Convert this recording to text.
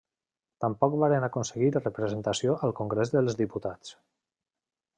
Tampoc varen aconseguir representació al Congrés dels Diputats.